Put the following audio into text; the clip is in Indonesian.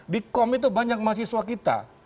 di kom itu banyak mahasiswa kita